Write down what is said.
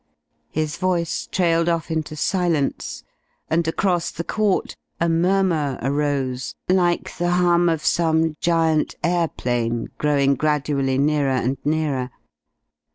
His voice trailed off into silence, and across the court a murmur arose, like the hum of some giant airplane growing gradually nearer and nearer.